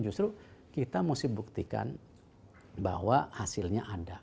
justru kita mesti buktikan bahwa hasilnya ada